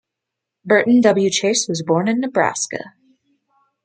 Burton W. Chace was born in Nebraska.